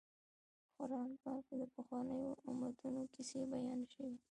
په قران پاک کې د پخوانیو امتونو کیسې بیان شوي.